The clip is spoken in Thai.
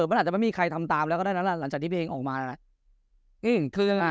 ผมมีใครทำตามแล้วก็ได้แล้วหลังจากที่เพลงออกมาแล้วคือ